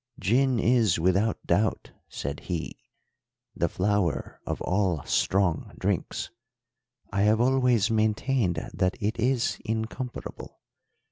"Gin is, without doubt," said he, "the flower of all strong drinks. I have always maintained that it is incomparable.